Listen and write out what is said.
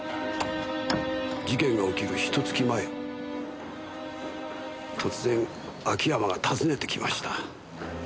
事件が起きるひと月前突然秋山が訪ねてきました。